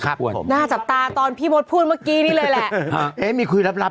ค่ะผมหน้าจับตาตอนพี่หมดพูดเมื่อกี้นี่เลยแหละมีคุยหรับ